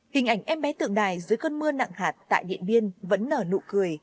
hình ảnh em bé tượng đài dưới cơn mưa nặng hạt tại điện biên vẫn nở nụ cười